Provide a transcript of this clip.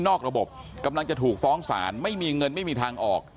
นอกระบบกำลังจะถูกฟ้องศาลไม่มีเงินไม่มีทางออก